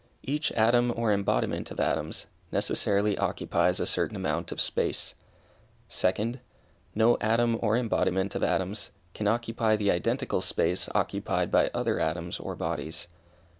Each atom, or embodiment of atoms, necessarily occupies a certain amount of space. Second. No atom, or embodiment of atoms, can occupy the identical space occupied by other atoms or bodies.